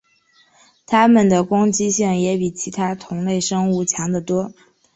它们的攻击性也比其他同类生物强得多。